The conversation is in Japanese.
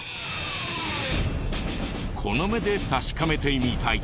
この目で確かめてみたい。